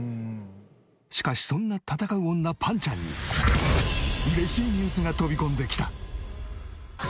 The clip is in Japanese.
しかしそんな戦う女ぱんちゃんに嬉しいニュースが飛び込んできた！